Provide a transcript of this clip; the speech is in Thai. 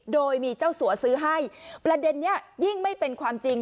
โดยมีเจ้าสัวซื้อให้ประเด็นนี้ยิ่งไม่เป็นความจริง